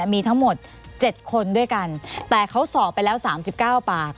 มีทั้งหมด๗คนด้วยกันแต่เขาสอบไปแล้ว๓๙ปาก